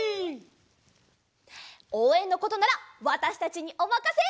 おうえんのことならわたしたちにおまかせ！